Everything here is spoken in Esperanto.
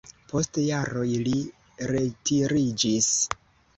Post jaroj li retiriĝis.